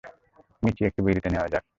মিচি একটু বিরতি নেওয়া যাক।